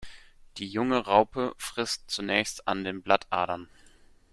Die junge Raupe frisst zunächst an den Blattadern.